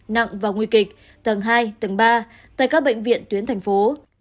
nặng và nguy kịch tầng hai tầng ba tại các bệnh viện tuyến thành phố